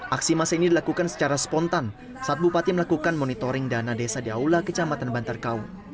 aksi masa ini dilakukan secara spontan saat bupati melakukan monitoring dana desa di aula kecamatan bantar kaung